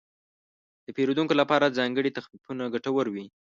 د پیرودونکو لپاره ځانګړي تخفیفونه ګټور وي.